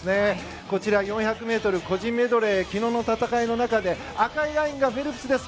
こちら、４００ｍ個人メドレー昨日の戦いの中で赤いラインがフェルプスです。